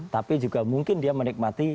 tapi juga mungkin dia menikmati